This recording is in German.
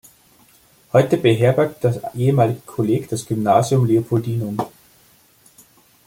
Heute beherbergt das ehemalige Kolleg das Gymnasium Leopoldinum.